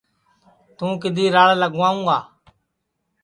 توں کِدھی راڑ لاواںٚؤ گا